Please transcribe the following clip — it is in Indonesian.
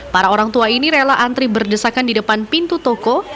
para orang tua ini rela antri berdesakan di depan pintu toko